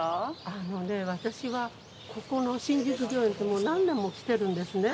◆あのね、私はここの新宿御苑ってもう何年も来てるんですね。